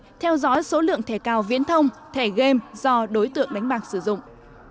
công ty cnc theo dõi số lượng thẻ cao viễn thông thẻ game do đối tượng đánh bạc sử dụng